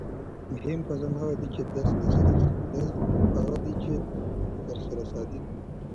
مهم کسان هغه دي چې درسره صادق وي.